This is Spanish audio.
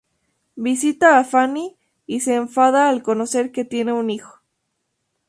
Visita a Fanny y se enfada al conocer que tiene un hijo.